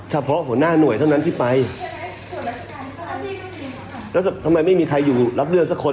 เฉพาะหัวหน้าหน่วยเท่านั้นที่ไปแล้วทำไมไม่มีใครอยู่รับเลือกสักคน